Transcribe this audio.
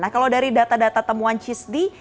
nah kalau dari data data temuan cisdi